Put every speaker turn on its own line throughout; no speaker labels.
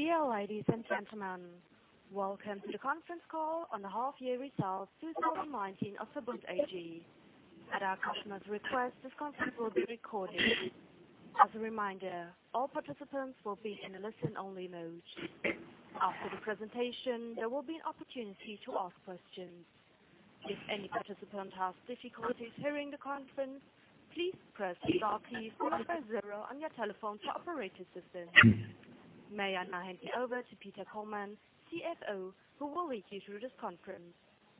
Dear ladies and gentlemen, welcome to the conference call on the half year results 2019 of VERBUND AG. At our customers' request, this conference will be recorded. As a reminder, all participants will be in a listen only mode. After the presentation, there will be an opportunity to ask questions. If any participant has difficulties hearing the conference, please press star key followed by zero on your telephone for operator assistance. May I now hand you over to Peter Kollmann, CFO, who will lead you through this conference.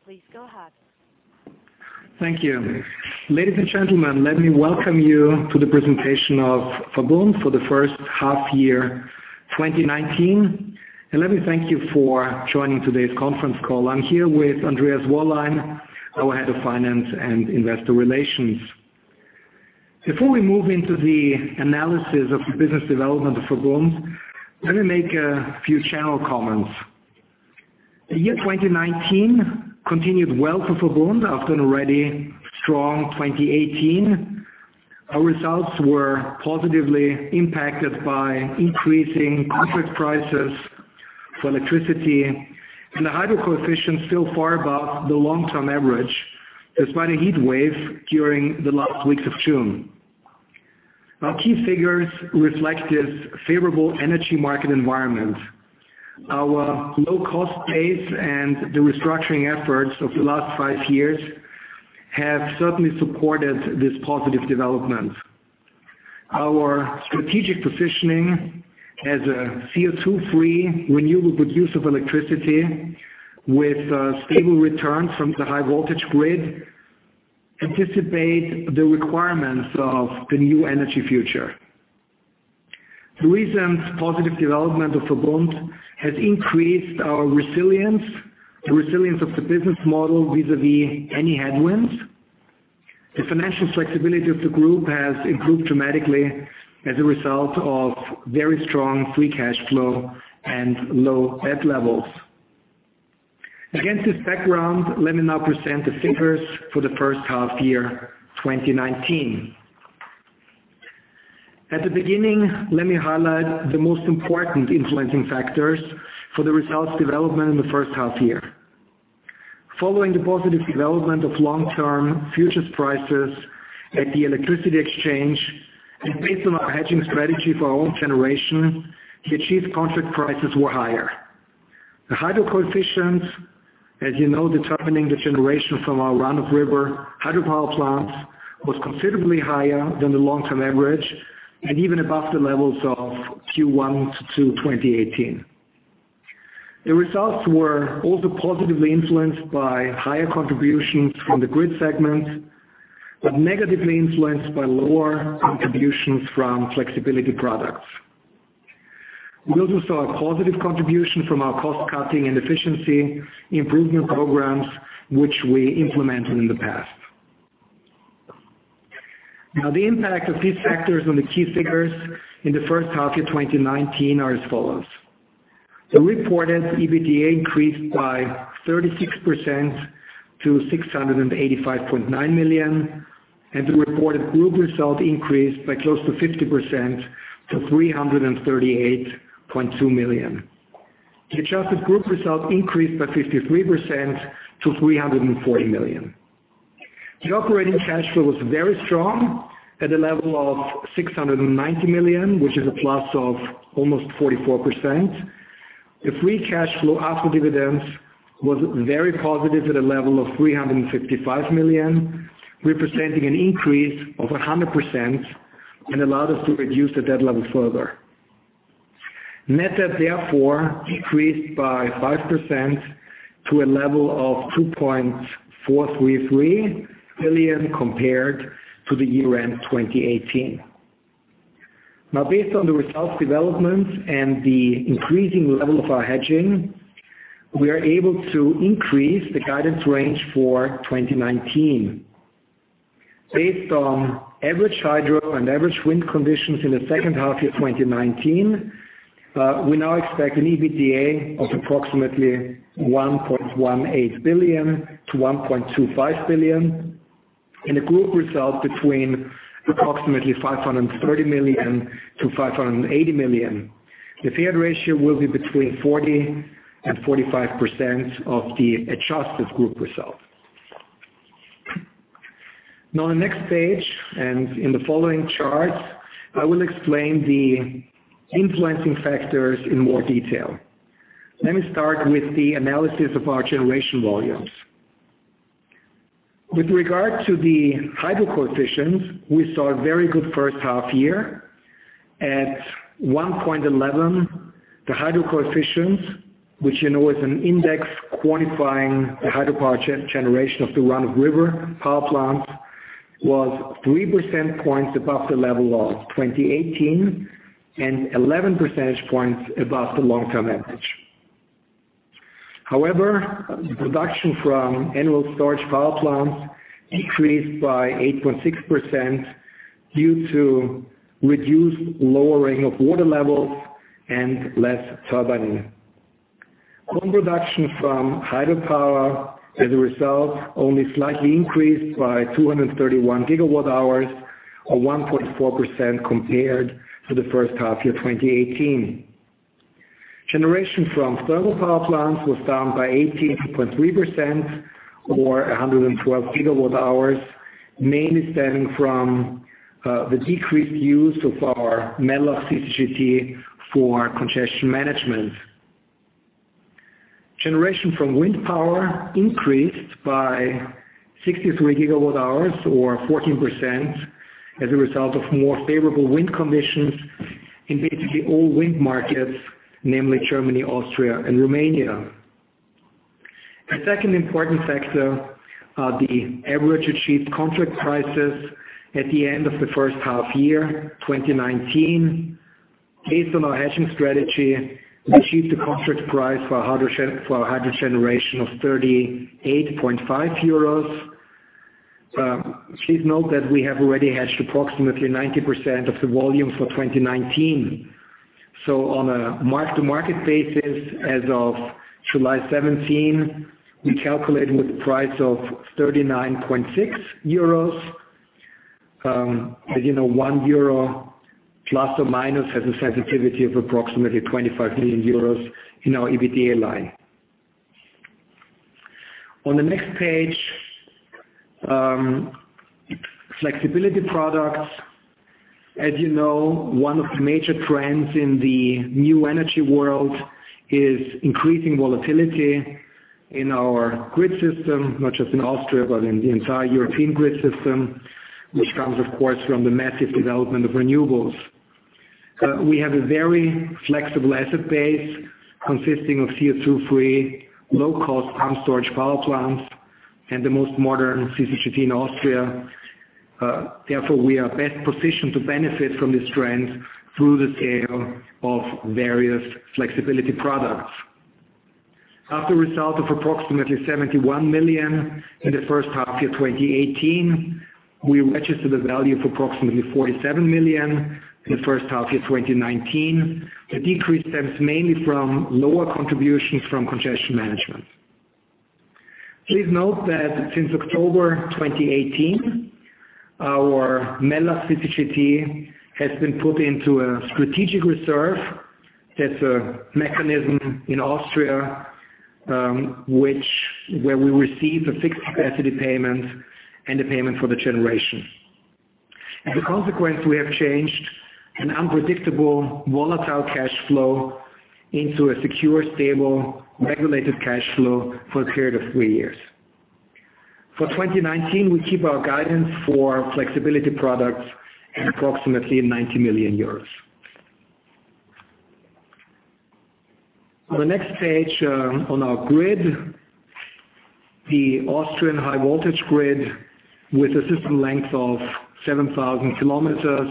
Please go ahead.
Thank you. Ladies and gentlemen, let me welcome you to the presentation of VERBUND for the first half year 2019, and let me thank you for joining today's conference call. I'm here with Andreas Wollein, our head of finance and investor relations. Before we move into the analysis of the business development of VERBUND, let me make a few general comments. The year 2019 continued well for VERBUND after an already strong 2018. Our results were positively impacted by increasing contract prices for electricity and a hydro coefficient still far above the long-term average, despite a heat wave during the last weeks of June. Our key figures reflect this favorable energy market environment. Our low-cost base and the restructuring efforts of the last five years have certainly supported this positive development. Our strategic positioning as a CO2 free, renewable good use of electricity with stable returns from the high voltage grid anticipate the requirements of the new energy future. The recent positive development of VERBUND has increased our resilience, the resilience of the business model vis-a-vis any headwinds. The financial flexibility of the group has improved dramatically as a result of very strong free cash flow and low debt levels. Against this background, let me now present the figures for the first half year 2019. At the beginning, let me highlight the most important influencing factors for the results development in the first half year. Following the positive development of long-term futures prices at the electricity exchange, and based on our hedging strategy for our own generation, the achieved contract prices were higher. The hydro coefficients, as you know, determining the generation from our run-of-river hydropower plants, was considerably higher than the long-term average and even above the levels of Q1 2018. The results were also positively influenced by higher contributions from the grid segment, negatively influenced by lower contributions from flexibility products. We also saw a positive contribution from our cost-cutting and efficiency improvement programs, which we implemented in the past. The impact of these factors on the key figures in the first half year 2019 are as follows. The reported EBITDA increased by 36% to 685.9 million. The reported group result increased by close to 50% to 338.2 million. The adjusted group result increased by 53% to 340 million. The operating cash flow was very strong at a level of 690 million, which is a plus of almost 44%. The free cash flow after dividends was very positive at a level of 355 million, representing an increase of 100% and allowed us to reduce the debt level further. Net debt therefore increased by 5% to a level of 2.433 billion compared to the year-end 2018. Based on the results developments and the increasing level of our hedging, we are able to increase the guidance range for 2019. Based on average hydro and average wind conditions in the second half year 2019, we now expect an EBITDA of approximately 1.18 billion-1.25 billion, and a group result between approximately 530 million-580 million. The payout ratio will be between 40% and 45% of the adjusted group result. On the next page, in the following charts, I will explain the influencing factors in more detail. Let me start with the analysis of our generation volumes. With regard to the hydro coefficients, we saw a very good first half year. At 1.11, the hydro coefficients, which you know is an index quantifying the hydropower generation of the run-of-river power plants, was 3% points above the level of 2018 and 11 percentage points above the long-term average. Production from annual storage power plants decreased by 8.6% due to reduced lowering of water levels and less turbining. Home production from hydropower as a result only slightly increased by 231 gigawatt hours or 1.4% compared to the first half year 2018. Generation from thermal power plants was down by 18.3%, or 112 gigawatt hours, mainly stemming from the decreased use of our Mellach CCGT for congestion management. Generation from wind power increased by 63 gigawatt hours or 14% as a result of more favorable wind conditions in basically all wind markets, namely Germany, Austria, and Romania. The second important factor are the average achieved contract prices at the end of the first half year 2019. Based on our hedging strategy, we achieved a contract price for hydro generation of 38.5 euros. Please note that we have already hedged approximately 90% of the volume for 2019. On a mark-to-market basis, as of July 17, we calculated with a price of 39.6 euros. As you know, 1 euro ± has a sensitivity of approximately 25 million euros in our EBITDA line. On the next page, flexibility products. As you know, one of the major trends in the new energy world is increasing volatility in our grid system, not just in Austria, but in the entire European grid system, which comes, of course, from the massive development of renewables. We have a very flexible asset base consisting of CO2-free, low-cost pump storage power plants and the most modern CCGT in Austria. Therefore, we are best positioned to benefit from this trend through the sale of various flexibility products. After a result of approximately 71 million in the first half year 2018, we registered a value of approximately 47 million in the first half year 2019. The decrease stems mainly from lower contributions from congestion management. Please note that since October 2018, our Mellach CCGT has been put into a strategic reserve. That's a mechanism in Austria, where we receive a fixed capacity payment and a payment for the generation. As a consequence, we have changed an unpredictable, volatile cash flow into a secure, stable, regulated cash flow for a period of three years. For 2019, we keep our guidance for flexibility products at approximately EUR 90 million. On the next page, on our grid, the Austrian high voltage grid with a system length of 7,000 kilometers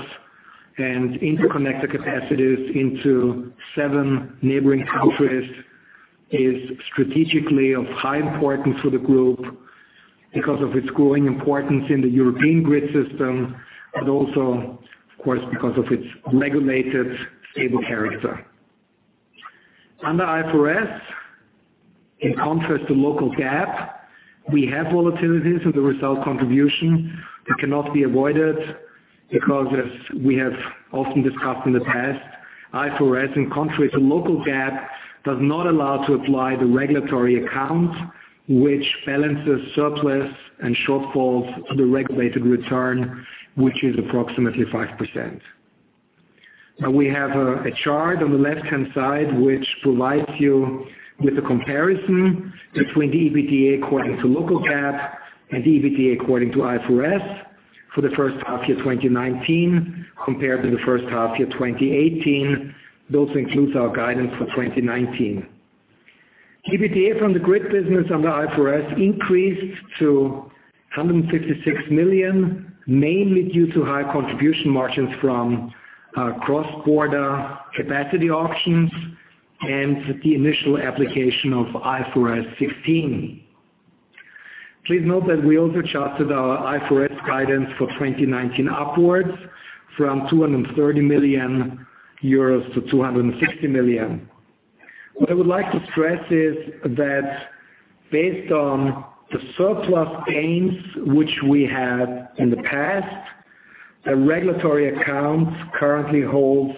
and interconnected capacities into seven neighboring countries is strategically of high importance for the group because of its growing importance in the European grid system, but also, of course, because of its regulated, stable character. Under IFRS, in contrast to local GAAP, we have volatility as a result contribution that cannot be avoided because as we have often discussed in the past, IFRS, in contrast to local GAAP, does not allow to apply the regulatory account, which balances surplus and shortfalls to the regulated return, which is approximately 5%. We have a chart on the left-hand side which provides you with a comparison between the EBITDA according to local GAAP and EBITDA according to IFRS for the first half year 2019 compared to the first half year 2018. Those includes our guidance for 2019. EBITDA from the grid business under IFRS increased to 156 million, mainly due to high contribution margins from cross-border capacity auctions and the initial application of IFRS 16. Please note that we also charted our IFRS guidance for 2019 upwards from 230 million euros to 260 million. What I would like to stress is that based on the surplus gains which we had in the past, a regulatory account currently holds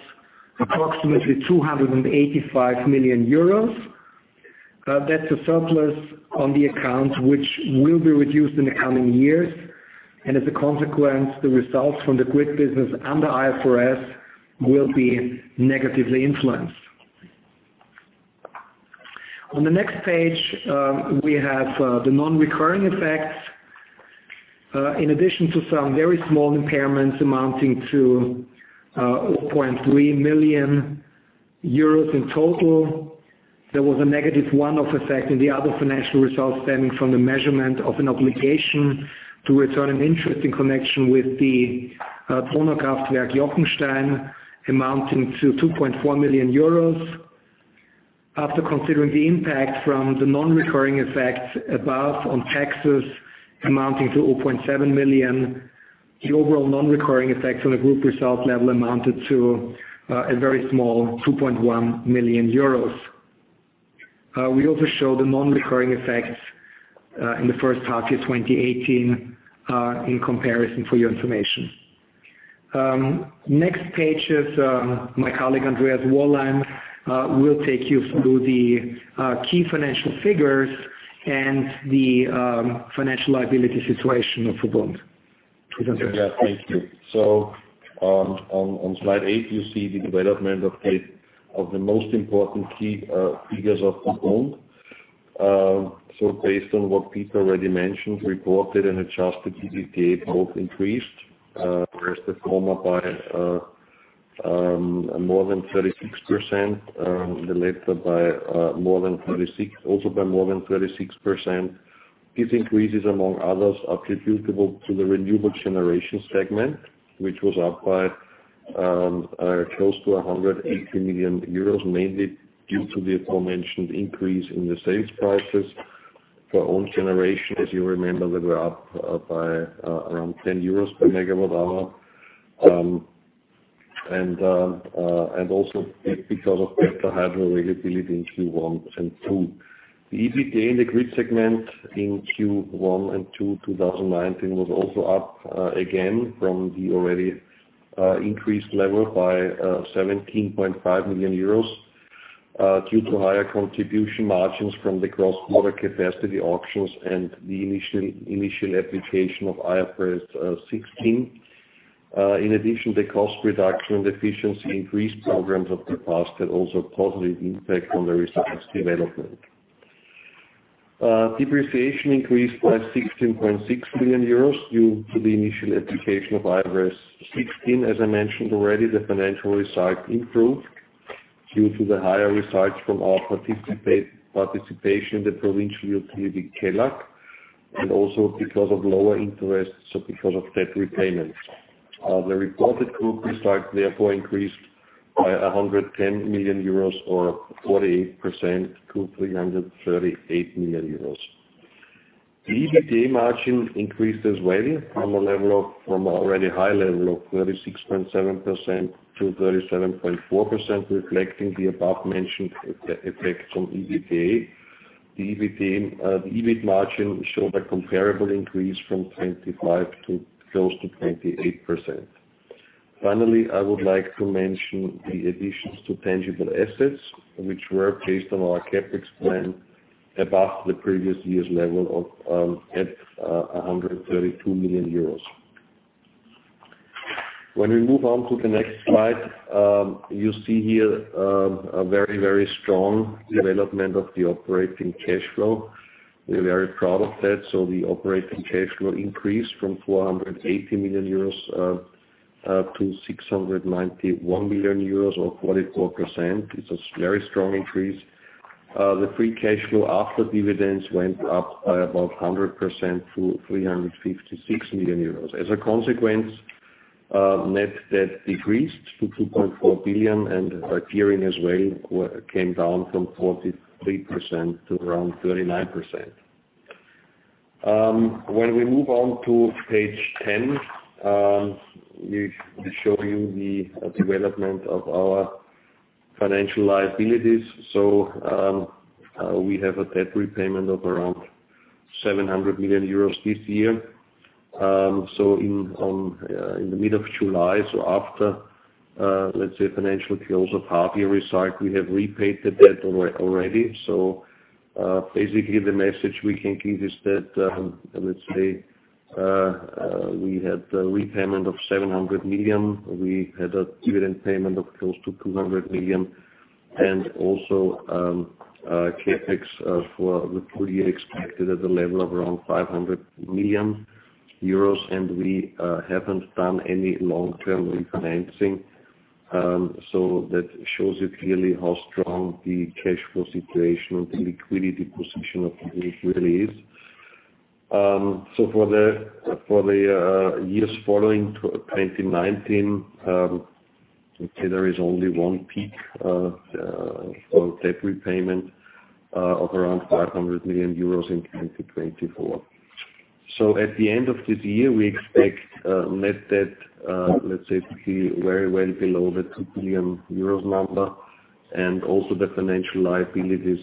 approximately 285 million euros. That's a surplus on the account, which will be reduced in the coming years, and as a consequence, the results from the grid business under IFRS will be negatively influenced. On the next page, we have the non-recurring effects. In addition to some very small impairments amounting to 0.3 million euros in total, there was a negative one-off effect in the other financial results stemming from the measurement of an obligation to return an interest in connection with the Donaukraftwerk Jochenstein amounting to 2.4 million euros. After considering the impact from the non-recurring effects above on taxes amounting to 0.7 million. The overall non-recurring effects on the group results level amounted to a very small 2.1 million euros. We also show the non-recurring effects in the first half year 2018 in comparison for your information. Next page is my colleague, Andreas Wollein, will take you through the key financial figures and the financial liability situation of VERBUND.
Yes, thank you. On slide 8, you see the development of the most important key figures of VERBUND. Based on what Peter already mentioned, reported and adjusted EBITDA both increased. Whereas the former by more than 36%, the latter also by more than 36%. These increases, among others, are attributable to the renewable generation segment, which was up by close to 180 million euros, mainly due to the aforementioned increase in the sales prices for own generation. As you remember, they were up by around 10 euros per megawatt hour. Also because of better hydro availability in Q1 and 2. The EBITDA in the grid segment in Q1 and 2 2019 was also up again from the already increased level by 17.5 million euros, due to higher contribution margins from the cross-border capacity auctions and the initial application of IFRS 16. In addition, the cost reduction and efficiency increase programs of the past had also a positive impact on the results development. Depreciation increased by 16.6 million euros due to the initial application of IFRS 16. As I mentioned already, the financial result improved due to the higher results from our participation in the provincial utility Kelag, and also because of lower interest, so because of debt repayments. The reported group result therefore increased by 110 million euros or 48% to 338 million euros. The EBITDA margin increased as well from already high level of 36.7% to 37.4%, reflecting the above-mentioned effects on EBITDA. The EBIT margin showed a comparable increase from 25% to close to 28%. Finally, I would like to mention the additions to tangible assets, which were based on our CapEx plan above the previous year's level of at 132 million euros. We move on to the next slide, you see here a very strong development of the operating cash flow. We're very proud of that. The operating cash flow increased from 480 million euros to 691 million euros or 44%. It's a very strong increase. The free cash flow after dividends went up by about 100% to 356 million euros. As a consequence, net debt decreased to 2.4 billion and our gearing as well came down from 43% to around 39%. We move on to page 10, we show you the development of our financial liabilities. We have a debt repayment of around 700 million euros this year. In the mid of July, after, let's say, financial close of half year result, we have repaid the debt already. Basically the message we can give is that, let's say, we had a repayment of 700 million, we had a dividend payment of close to 200 million, and also CapEx for the full year expected at a level of around 500 million euros, and we haven't done any long-term refinancing. That shows you clearly how strong the cash flow situation or the liquidity position of VERBUND really is. For the years following 2019, let's say there is only one peak, for debt repayment of around 500 million euros in 2024. At the end of this year, we expect net debt, let's say, to be very well below the 2 billion euros number and also the financial liabilities,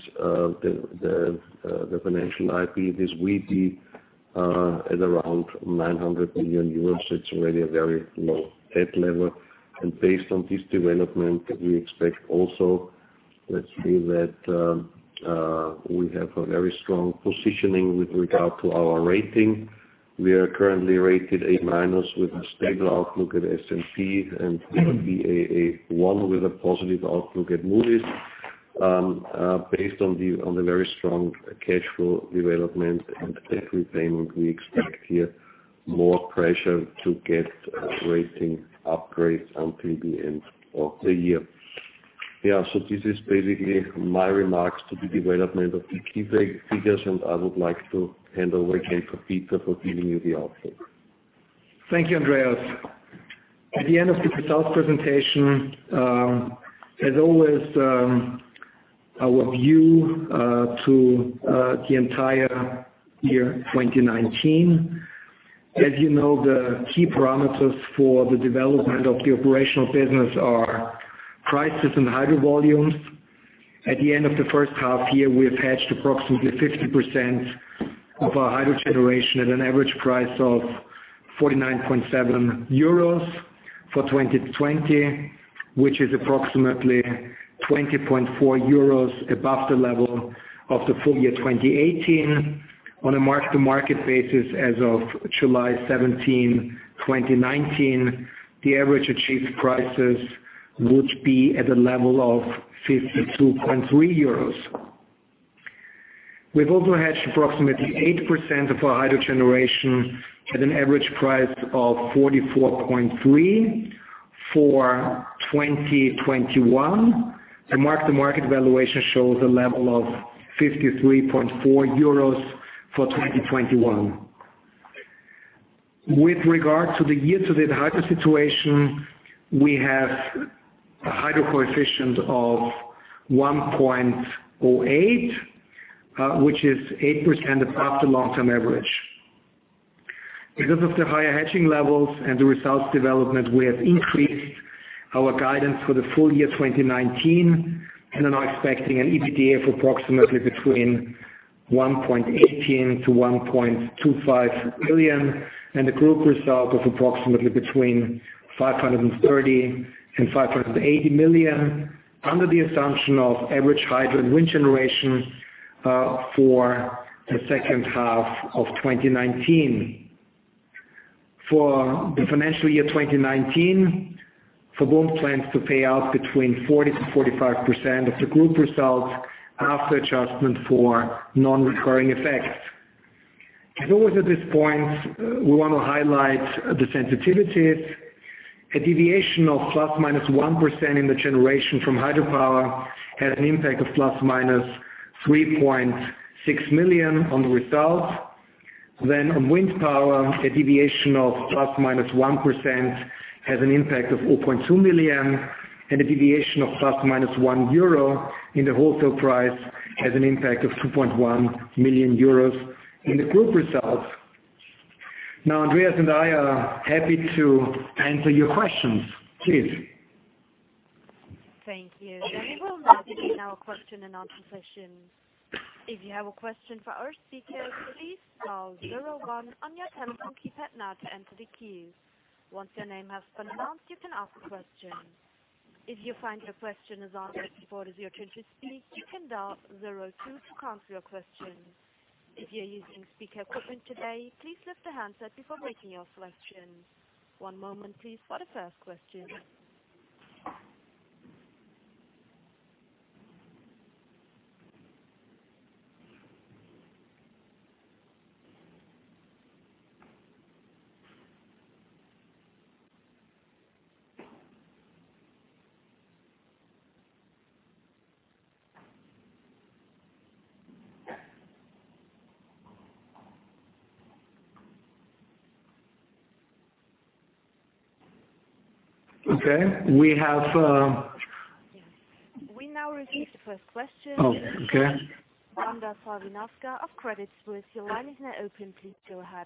we see at around 900 million euros. It's already a very low debt level. Based on this development, we expect also, let's say that, we have a very strong positioning with regard to our rating. We are currently rated A- with a stable outlook at S&P and we are Baa1 with a positive outlook at Moody's. Based on the very strong cash flow development and debt repayment, we expect here more pressure to get a rating upgrade until the end of the year. This is basically my remarks to the development of the key figures, and I would like to hand over again to Peter for giving you the outlook.
Thank you, Andreas. At the end of the results presentation, as always, our view to the entire year 2019. As you know, the key parameters for the development of the operational business are prices and hydro volumes. At the end of the first half year, we have hedged approximately 50% of our hydro generation at an average price of 49.7 euros for 2020, which is approximately 20.4 euros above the level of the full year 2018. On a mark-to-market basis, as of July 17, 2019, the average achieved prices would be at a level of 52.3 euros. We've also hedged approximately 8% of our hydro generation at an average price of 44.3 for 2021. The mark-to-market valuation shows a level of 53.4 euros for 2021. With regard to the year-to-date hydro situation, we have a hydro coefficient of 1.08, which is 8% above the long-term average. Because of the higher hedging levels and the results development, we have increased our guidance for the full year 2019 and are now expecting an EBITDA of approximately between 1.18 billion-1.25 billion and a group result of approximately between 530 million and 580 million, under the assumption of average hydro and wind generation for the second half of 2019. For the financial year 2019, VERBUND plans to pay out between 40%-45% of the group results after adjustment for non-recurring effects. As always at this point, we want to highlight the sensitivities. A deviation of ± 1% in the generation from hydropower has an impact of ± 3.6 million on the results. On wind power, a deviation of ± 1% has an impact of 0.2 million, and a deviation of ± 1 euro in the wholesale price has an impact of 2.1 million euros in the group results. Now, Andreas and I are happy to answer your questions. Please.
Thank you. We will now begin our question and answer session. If you have a question for our speakers, please dial 01 on your telephone keypad now to enter the queue. Once your name has been announced, you can ask a question. If you find your question is answered before it is your turn to speak, you can dial 02 to cancel your question. If you're using speaker equipment today, please lift the handset before making your selection. One moment please for the first question.
Okay. We have
We now receive the first question.
Okay.
Wanda Serwinowska of Credit Suisse, your line is now open. Please go ahead.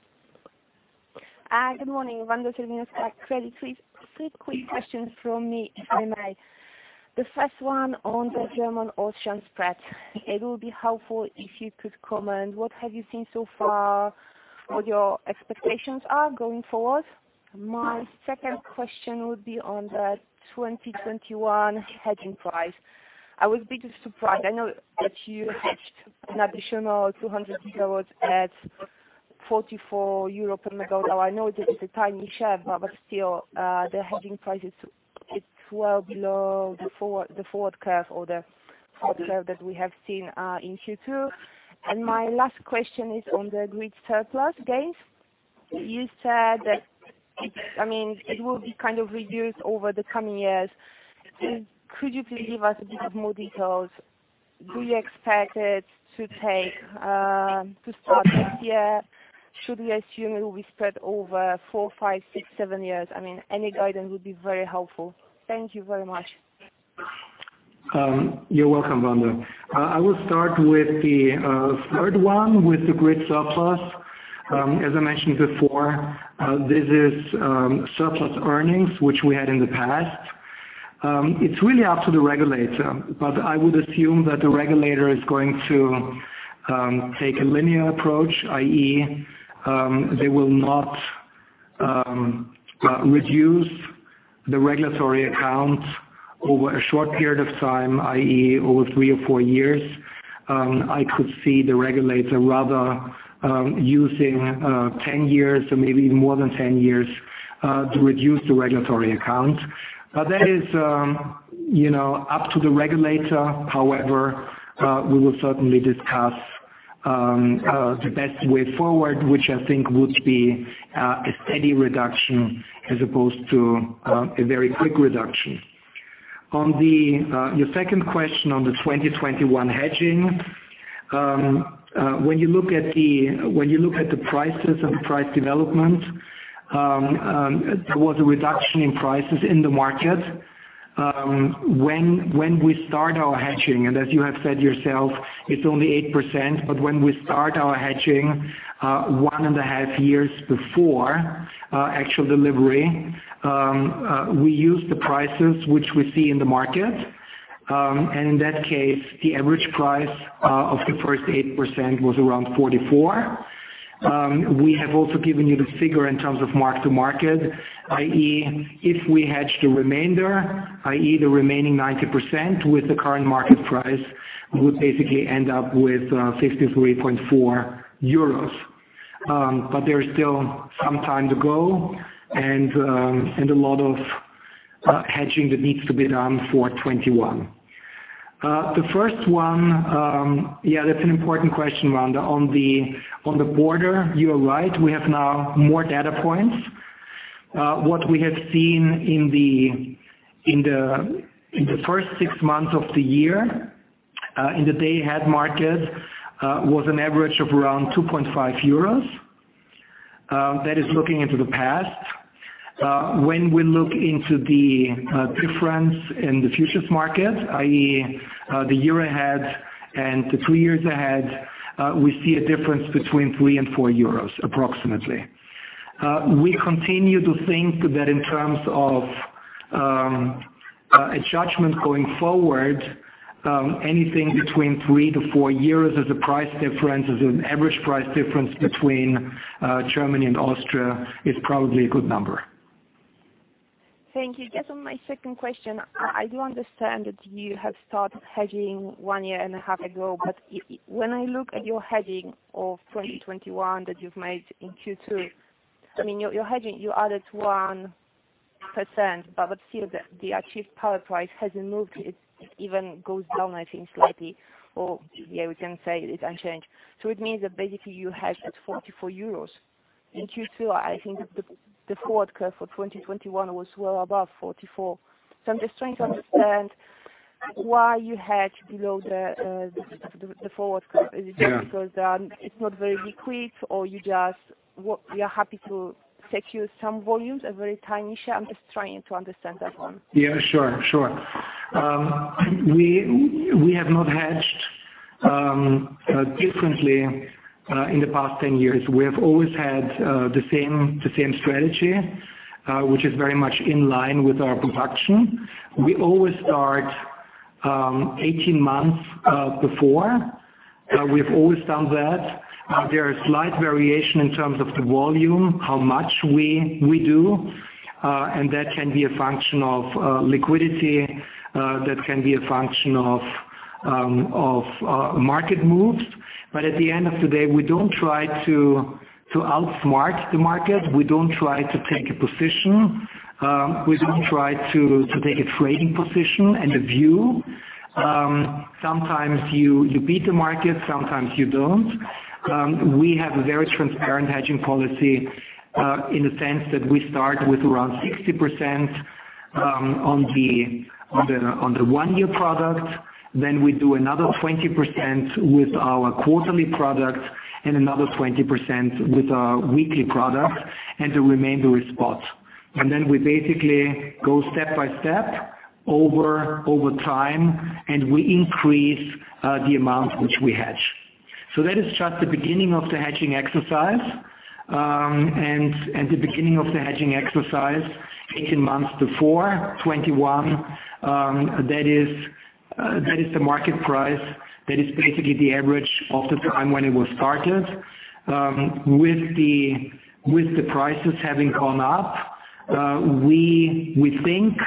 Good morning, Wanda Serwinowska, Credit Suisse. Three quick questions from me, if I may. The first one on the German auction spread. It will be helpful if you could comment, what have you seen so far? What your expectations are going forward? My second question would be on the 2021 hedging price. I was a bit surprised. I know that you hedged an additional 200 gigawatts at 44 euro per megawatt hour. I know this is a tiny share, but still, the hedging price is well below the forward curve or the forward curve that we have seen in Q2. My last question is on the grid surplus gains. You said that it will be reduced over the coming years. Could you please give us a bit of more details? Do you expect it to start next year? Should we assume it will be spread over four, five, six, seven years? Any guidance would be very helpful. Thank you very much.
You're welcome, Wanda. I will start with the third one, with the grid surplus. As I mentioned before, this is surplus earnings which we had in the past. It's really up to the regulator. I would assume that the regulator is going to take a linear approach, i.e., they will not reduce the regulatory account over a short period of time, i.e., over three or four years. I could see the regulator rather using 10 years or maybe even more than 10 years to reduce the regulatory account. That is up to the regulator. We will certainly discuss the best way forward, which I think would be a steady reduction as opposed to a very quick reduction. On your second question on the 2021 hedging, when you look at the prices and price development, there was a reduction in prices in the market. As you have said yourself, it's only 8%, when we start our hedging one and a half years before actual delivery, we use the prices which we see in the market. In that case, the average price of the first 8% was around 44. We have also given you the figure in terms of mark-to-market, i.e., if we hedge the remainder, the remaining 90% with the current market price, we would basically end up with 53.40 euros. There is still some time to go and a lot of hedging that needs to be done for 2021. The first one, yeah, that's an important question, Wanda. On the border, you are right. We have now more data points. What we have seen in the first six months of the year, in the day-ahead market, was an average of around 2.50 euros. That is looking into the past. We look into the difference in the futures market, i.e., the year ahead and the two years ahead, we see a difference between 3 and 4 euros, approximately. We continue to think that in terms of a judgment going forward, anything between 3-4 as an average price difference between Germany and Austria is probably a good number.
Thank you. Just on my second question, I do understand that you have started hedging one year and a half ago, but when I look at your hedging of 2021 that you've made in Q2, your hedging, you added 1%, but still, the achieved power price hasn't moved. It even goes down, I think, slightly, or we can say it's unchanged. It means that basically you hedged at €44 in Q2. I think the forward curve for 2021 was well above 44. I'm just trying to understand why you hedged below the forward curve.
Yeah.
Is it just because it's not very liquid, or you are happy to secure some volumes, a very tiny share? I'm just trying to understand that one.
Yeah, sure. We have not hedged differently in the past 10 years. We have always had the same strategy, which is very much in line with our production. We always start 18 months before. We've always done that. There are slight variations in terms of the volume, how much we do, and that can be a function of liquidity, that can be a function of market moves. At the end of the day, we don't try to outsmart the market. We don't try to take a position. We don't try to take a trading position and a view. Sometimes you beat the market, sometimes you don't. We have a very transparent hedging policy in the sense that we start with around 60% on the one-year product, then we do another 20% with our quarterly product and another 20% with our weekly product, and the remainder is spot. We basically go step by step over time, and we increase the amount which we hedge. That is just the beginning of the hedging exercise. The beginning of the hedging exercise, 18 months before 2021, that is the market price. That is basically the average of the time when it was started. With the prices having gone up, we think,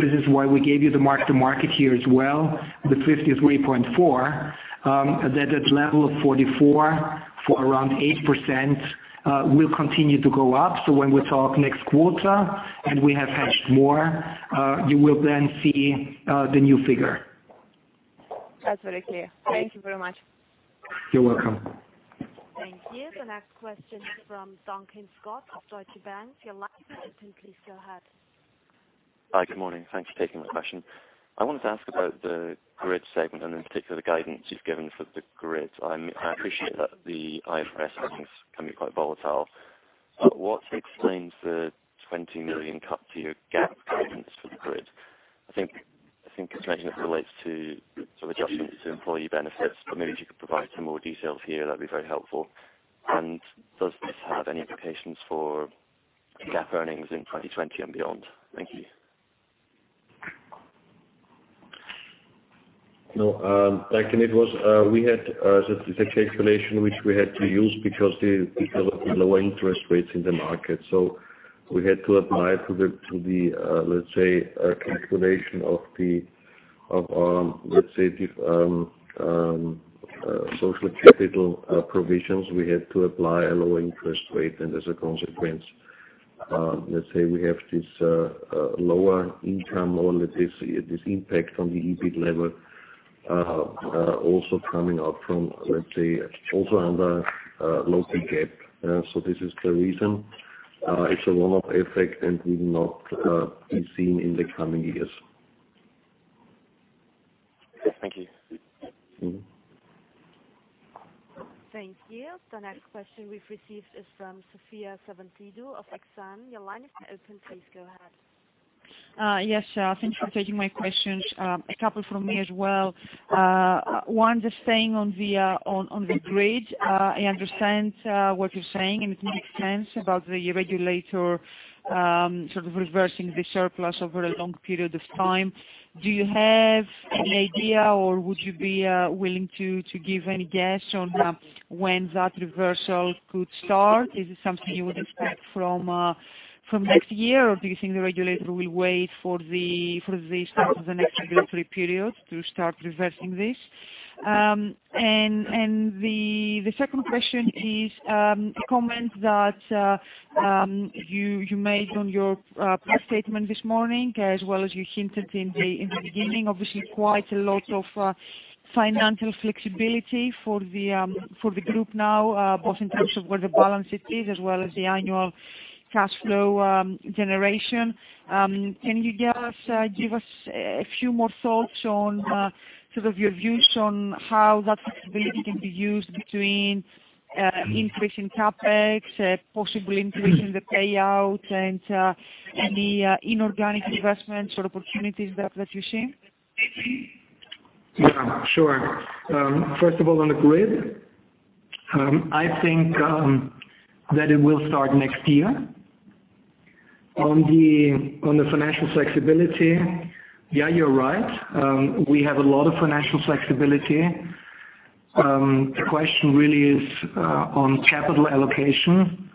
this is why we gave you the mark-to-market here as well, the 53.4, that that level of 44 for around 8% will continue to go up. When we talk next quarter and we have hedged more, you will then see the new figure.
That's very clear. Thank you very much.
You're welcome.
Thank you. The next question is from Duncan Scott of Deutsche Bank. Your line is open. Please go ahead.
Hi. Good morning. Thanks for taking my question. I wanted to ask about the Grid segment, and in particular, the guidance you've given for the Grid. I appreciate that the IFRS earnings can be quite volatile. What explains the 20 million cut to your GAAP guidance for the Grid? I think you mentioned it relates to some adjustments to employee benefits. Maybe if you could provide some more details here, that'd be very helpful. Does this have any implications for GAAP earnings in 2020 and beyond? Thank you.
Duncan, it was a tax calculation which we had to use because of the lower interest rates in the market. We had to apply to the, let's say, calculation of the, let's say, social capital provisions. We had to apply a lower interest rate, and as a consequence, let's say we have this lower income or this impact on the EBIT level, also coming out from, let's say, also under local GAAP. This is the reason. It's a one-off effect and will not be seen in the coming years.
Yes. Thank you.
Thank you. The next question we've received is from Sophia Savantidou of Exane. Your line is open. Please go ahead.
Yes. Thank you for taking my questions. A couple from me as well. One, just staying on the grid. I understand what you're saying, and it makes sense about the regulator sort of reversing the surplus over a long period of time. Do you have an idea, or would you be willing to give any guess on when that reversal could start? Is it something you would expect from next year, or do you think the regulator will wait for the start of the next regulatory period to start reversing this? The second question is, comment that you made on your press statement this morning as well as you hinted in the beginning, obviously quite a lot of financial flexibility for the group now, both in terms of where the balance sheet is as well as the annual cash flow generation. Can you give us a few more thoughts on sort of your views on how that flexibility can be used between increase in CapEx, possibly increasing the payout, and any inorganic investment sort of opportunities that you're seeing?
Yeah. Sure. First of all, on the grid, I think that it will start next year. On the financial flexibility, yeah, you're right. We have a lot of financial flexibility. The question really is on capital allocation,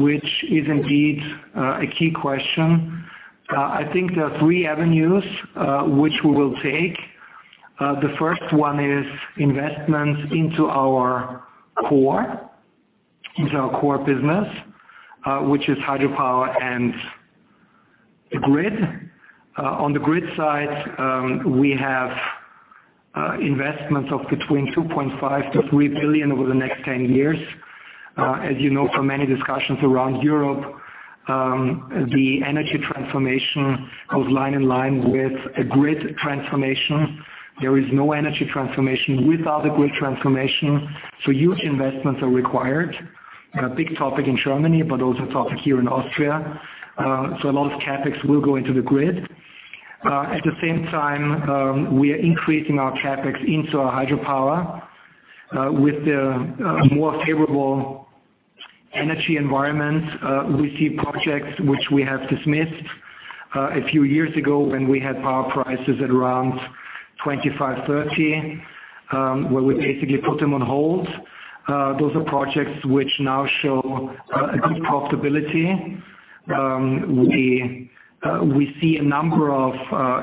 which is indeed a key question. I think there are three avenues which we will take. The first one is investment into our core business, which is hydropower and grid. On the grid side, we have investments of between 2.5 billion-3 billion over the next 10 years. As you know from many discussions around Europe, the energy transformation goes line in line with a grid transformation. There is no energy transformation without a grid transformation, huge investments are required. A big topic in Germany, also a topic here in Austria. A lot of CapEx will go into the grid. At the same time, we are increasing our CapEx into our hydropower, with a more favorable energy environment. We see projects which we have dismissed a few years ago when we had power prices at around 25, 30, where we basically put them on hold. Those are projects which now show a good profitability. We see a number of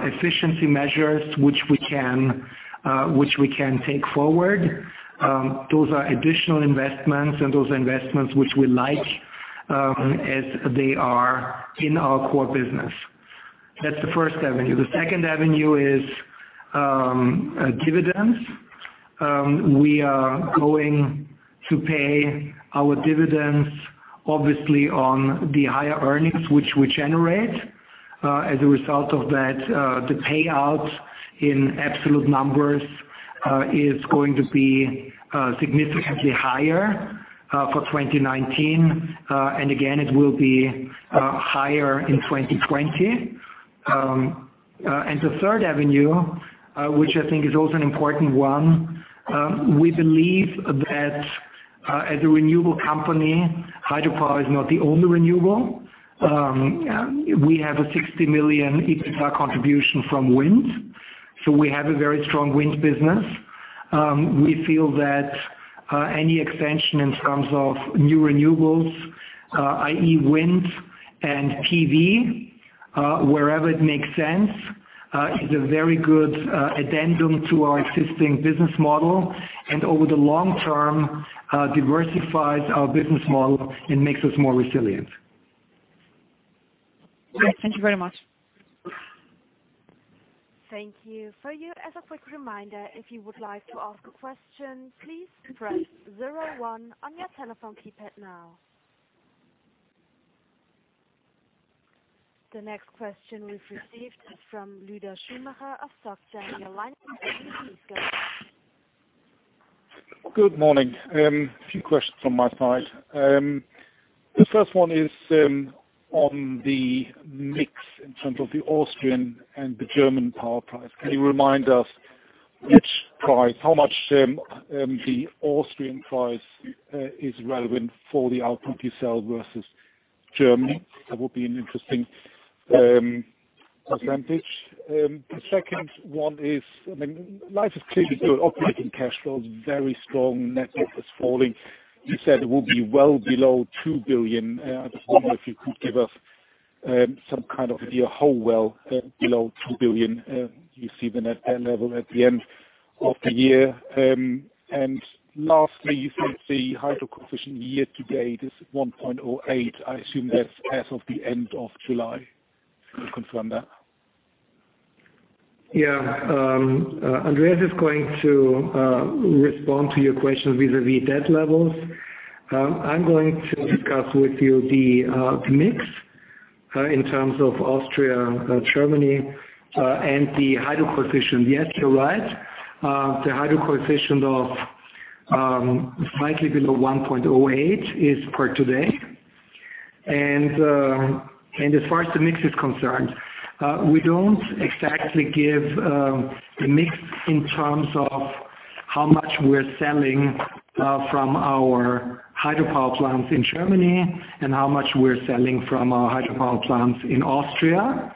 efficiency measures which we can take forward. Those are additional investments and those investments which we like, as they are in our core business. That's the first avenue. The second avenue is dividends. We are going to pay our dividends, obviously, on the higher earnings which we generate. As a result of that, the payout in absolute numbers is going to be significantly higher for 2019. Again, it will be higher in 2020. The third avenue, which I think is also an important one, we believe that as a renewable company, hydropower is not the only renewable. We have a 60 million EBITDA contribution from wind, so we have a very strong wind business. We feel that any expansion in terms of new renewables, i.e. wind and PV, wherever it makes sense, is a very good addendum to our existing business model and over the long term, diversifies our business model and makes us more resilient.
Great. Thank you very much.
Thank you. For you, as a quick reminder, if you would like to ask a question, please press zero one on your telephone keypad now. The next question we've received is from Lueder Schumacher of SocGen. Your line is open. Please go ahead.
Good morning. Few questions from my side. The first one is on the mix in terms of the Austrian and the German power price. Can you remind us which price, how much the Austrian price is relevant for the output you sell versus Germany? That would be an interesting percentage. The second one is, life is clearly good. Operating cash flow is very strong. Net debt is falling. You said it would be well below 2 billion. I was wondering if you could give us some kind of idea how well below 2 billion you see the net debt level at the end of the year. Lastly, you said the hydro coefficient year to date is at 1.08. I assume that's as of the end of July. Can you confirm that?
Yeah. Andreas is going to respond to your question vis-a-vis debt levels. I'm going to discuss with you the mix in terms of Austria, Germany, and the hydro coefficient. Yes, you're right. The hydro coefficient of slightly below 1.08 is per today. As far as the mix is concerned, we don't exactly give a mix in terms of how much we're selling from our hydropower plants in Germany and how much we're selling from our hydropower plants in Austria,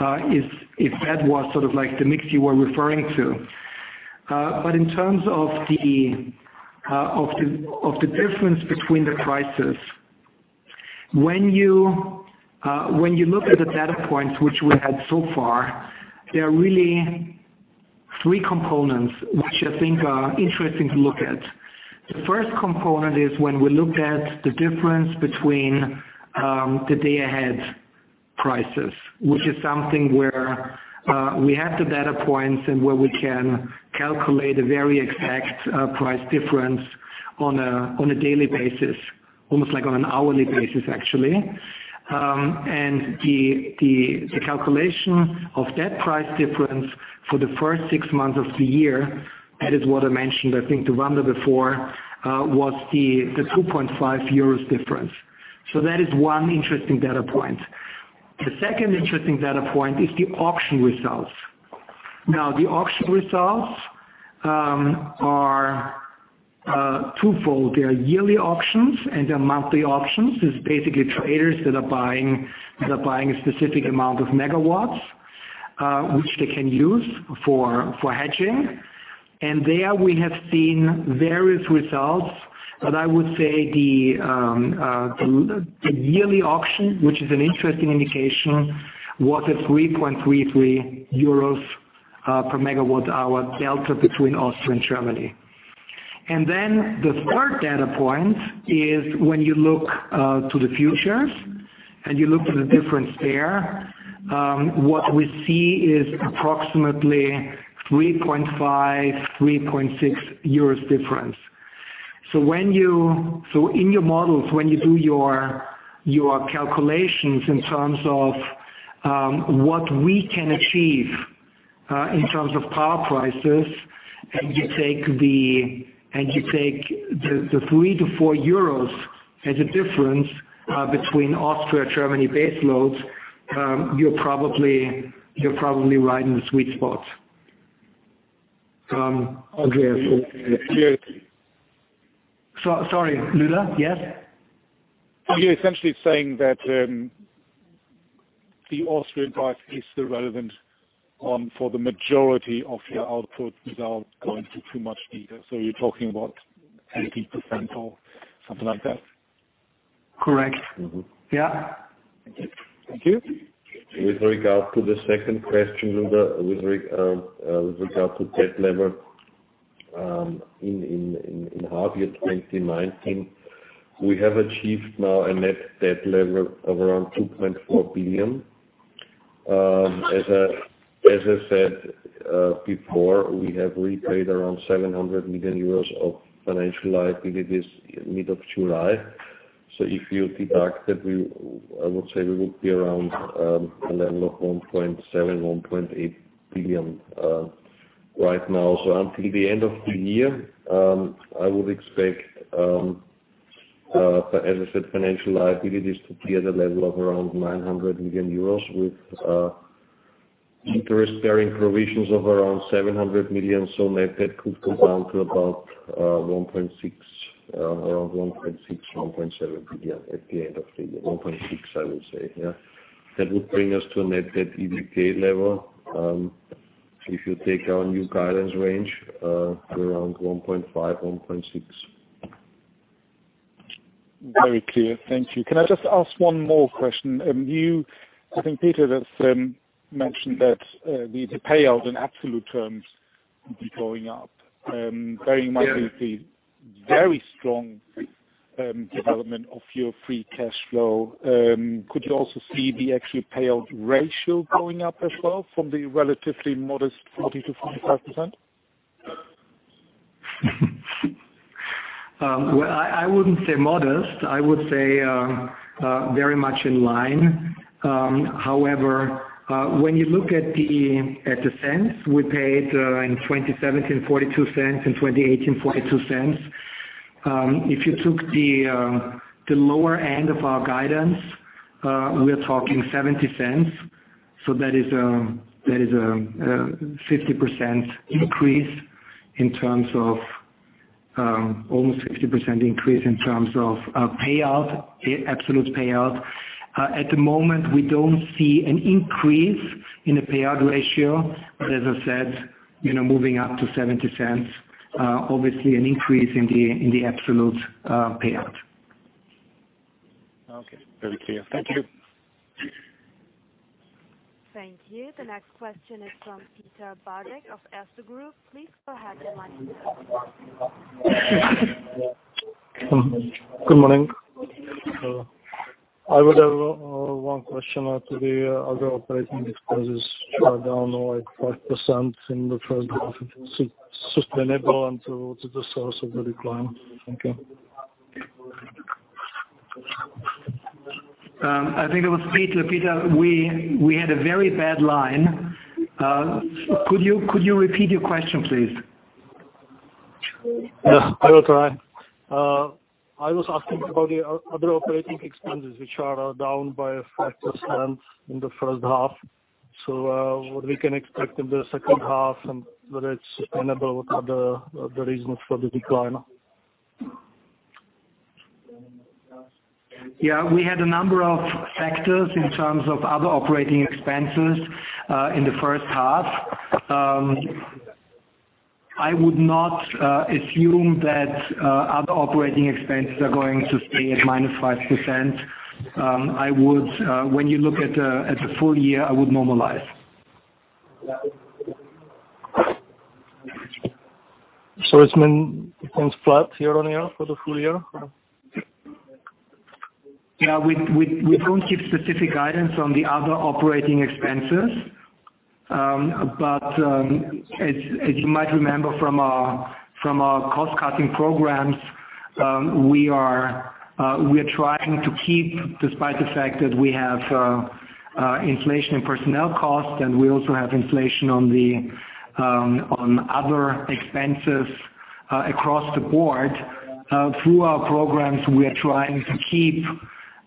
if that was the mix you were referring to. In terms of the difference between the prices, when you look at the data points which we had so far, there are really three components which I think are interesting to look at. The first component is when we looked at the difference between the day ahead prices, which is something where we have the data points and where we can calculate a very exact price difference on a daily basis, almost like on an hourly basis, actually. The calculation of that price difference for the first six months of the year, that is what I mentioned, I think to Wanda before, was the 2.5 euros difference. That is one interesting data point. The second interesting data point is the auction results. Now, the auction results are twofold. They are yearly auctions and they are monthly auctions. It's basically traders that are buying a specific amount of megawatts, which they can use for hedging. There we have seen various results, but I would say the yearly auction, which is an interesting indication, was 3.33 euros per megawatt hour delta between Austria and Germany. The third data point is when you look to the futures and you look at the difference there, what we see is approximately 3.5, 3.6 euros difference. In your models, when you do your calculations in terms of what we can achieve, in terms of power prices, and you take the 3 to 4 euros as a difference between Austria, Germany base loads, you're probably right in the sweet spot. Andreas, sorry, Lueder. Yes?
You're essentially saying that the Austrian price is irrelevant for the majority of your output without going to too much detail. You're talking about 80% or something like that?
Correct. Yeah.
Thank you.
With regard to the second question, Lueder, with regard to debt level, in half year 2019, we have achieved now a net debt level of around 2.4 billion. As I said before, we have repaid around 700 million euros of financial liabilities mid of July. If you deduct that, I would say we would be around a level of 1.7 billion-1.8 billion right now. Until the end of the year, I would expect, as I said, financial liabilities to be at a level of around 900 million euros with interest-bearing provisions of around 700 million. Net debt could come down to about 1.6 billion-1.7 billion at the end of the year. 1.6 billion, I would say, yeah. That would bring us to a net debt EBITDA level, if you take our new guidance range, around 1.5-1.6.
Very clear. Thank you. Can I just ask one more question? I think Peter has mentioned that the payout in absolute terms would be going up, bearing in mind the very strong development of your free cash flow. Could you also see the actual payout ratio going up as well from the relatively modest 40%-45%?
Well, I wouldn't say modest. I would say very much in line. However, when you look at the cents, we paid in 2017 0.42, in 2018, 0.42. If you took the lower end of our guidance, we're talking 0.70. That is a almost 50% increase in terms of our payout, absolute payout. At the moment, we don't see an increase in the payout ratio. As I said, moving up to 0.70, obviously an increase in the absolute payout.
Okay. Very clear. Thank you.
Thank you. The next question is from Piotr Bogusz of Erste Group. Please go ahead, your line is open.
Good morning. I would have one question to the other operating expenses are down like 5% in the first half. Is it sustainable and what is the source of the decline? Thank you.
I think it was Piotr. Piotr, we had a very bad line. Could you repeat your question, please?
I will try. I was asking about the other operating expenses, which are down by 5% in the first half. What we can expect in the second half and whether it's sustainable. What are the reasons for the decline?
Yeah, we had a number of factors in terms of other operating expenses, in the first half. I would not assume that other operating expenses are going to stay at minus 5%. When you look at the full year, I would normalize.
It's been flat year-on-year for the full year?
Yeah, we don't give specific guidance on the other operating expenses. As you might remember from our cost-cutting programs, we are trying to keep, despite the fact that we have inflation in personnel costs and we also have inflation on other expenses across the board. Through our programs, we are trying to keep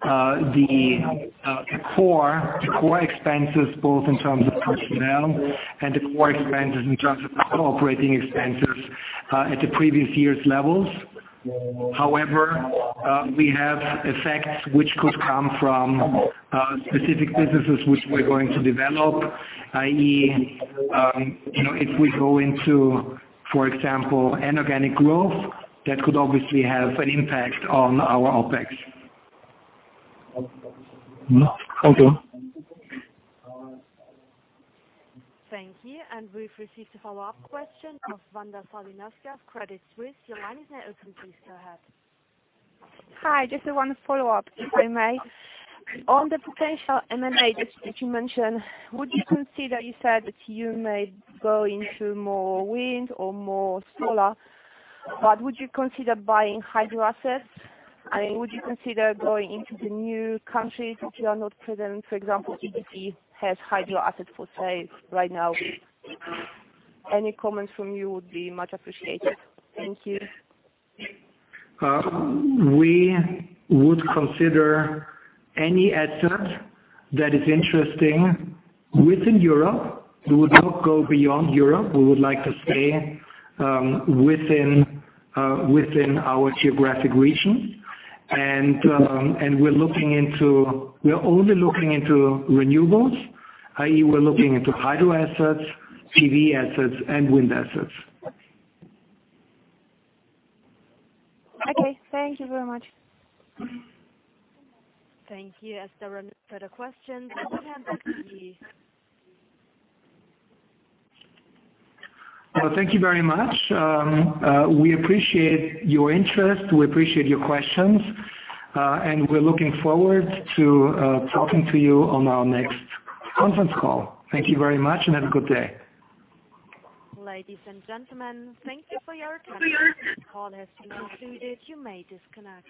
the core expenses, both in terms of personnel and the core expenses in terms of operating expenses, at the previous year's levels. However, we have effects which could come from specific businesses which we're going to develop, i.e., if we go into, for example, an organic growth, that could obviously have an impact on our OPEX.
Okay.
Thank you. We've received a follow-up question of Wanda Serwinowska of Credit Suisse. Your line is now open, please go ahead.
Hi, just one follow-up, if I may. On the potential M&A that you mentioned, would you consider, you said that you may go into more wind or more solar, but would you consider buying hydro assets? I mean, would you consider going into the new countries which you are not present? For example, EDP has hydro assets for sale right now. Any comments from you would be much appreciated. Thank you.
We would consider any asset that is interesting within Europe. We would not go beyond Europe. We would like to stay within our geographic region. We're only looking into renewables, i.e., we're looking into hydro assets, PV assets, and wind assets.
Okay. Thank you very much.
Thank you. As there are no further questions, I will hand back to you.
Thank you very much. We appreciate your interest. We appreciate your questions. We're looking forward to talking to you on our next conference call. Thank you very much and have a good day.
Ladies and gentlemen, thank you for your attention. This call has been concluded. You may disconnect.